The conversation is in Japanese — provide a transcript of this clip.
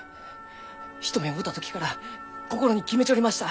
一目会うた時から心に決めちょりました。